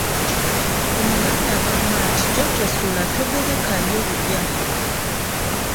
"Omuganda agamba nti, “Gy’otosula togerekerayo bibya”."